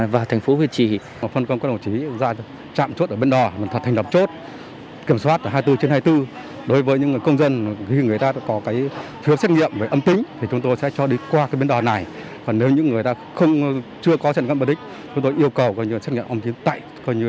và thành phố huyện trị